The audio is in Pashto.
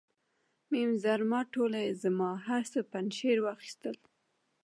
میم زرما ټوله یې زما، هر څه پنجشیر واخیستل.